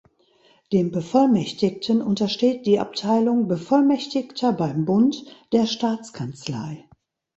Dem Bevollmächtigten untersteht die Abteilung „"Bevollmächtigter beim Bund"“ der Staatskanzlei.